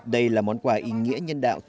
đây là món quà ý nghĩa nhân đạo